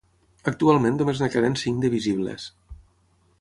Actualment només en queden cinc de visibles.